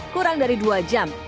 kurang dari dua jam